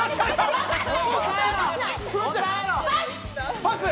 パス。